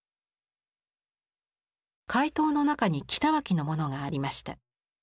回答の中に北脇のものがありました。